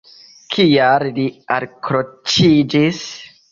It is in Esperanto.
Kial li alkroĉiĝis?